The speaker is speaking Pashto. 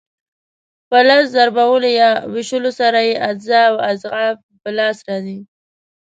په لس ضربولو یا وېشلو سره یې اجزا او اضعاف په لاس راځي.